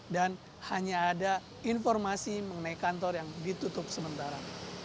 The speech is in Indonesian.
dan hanya ada informasi mengenai kantor yang ditutup sementara